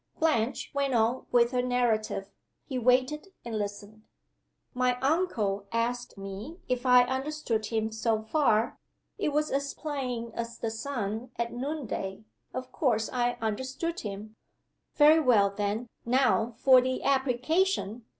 Blanche went on with her narrative. He waited and listened.) "My uncle asked me if I understood him so far. It was as plain as the sun at noonday, of course I understood him! 'Very well, then now for the application!